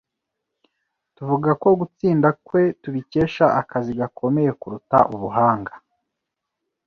Tuvuga ko gutsinda kwe tubikesha akazi gakomeye kuruta ubuhanga.